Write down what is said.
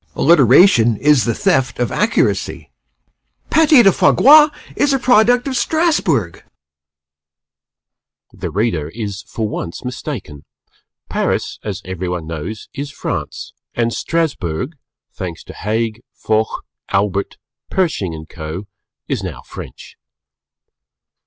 Alliteration is the thief of accuracy! Pâté de fois gras is the product of Strasburg. The Reader. The Reader is, for once, mistaken. Paris, as everyone knows, is France, and Strasburg, thanks to Haig, Foch, Albert, Pershing and Co., is now French.